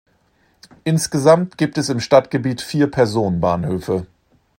Insgesamt gibt es im Stadtgebiet vier Personenbahnhöfe.